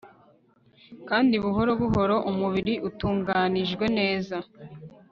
kandi buhoro buhoro umubiri utunganijwe neza